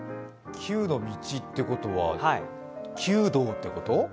９の道ってことは、弓道ってこと？